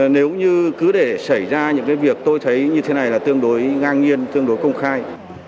nếu như cứ để xảy ra những cái việc tôi thấy như thế này là tương đối ngang nhiên tương đối công khai